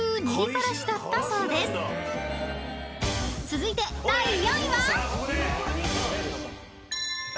［続いて第４位は？］